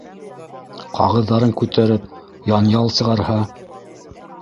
Ҡағыҙҙарын күтәреп янъял сығарһа?...